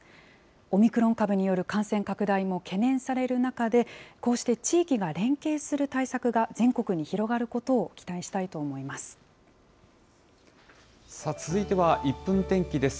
オミクロン株による感染拡大も懸念される中で、こうして地域が連携する対策が全国に広がることを期待したいと思続いては１分天気です。